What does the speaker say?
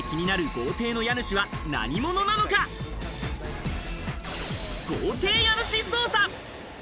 豪邸家主捜査。